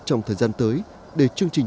trong thời gian tới để chương trình